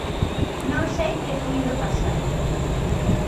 Non sei que puido pasar.